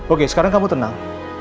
oke sekarang kamu tenang